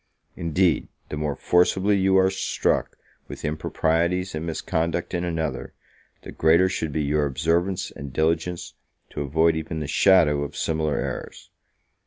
Indeed, the more forcibly you are struck with improprieties and misconduct in another, the greater should be your observance and diligence to avoid even the shadow of similar errors.